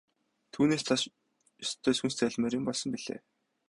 Түүнээс цааш ёстой сүнс зайлмаар юм болсон билээ.